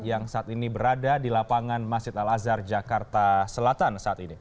yang saat ini berada di lapangan masjid al azhar jakarta selatan saat ini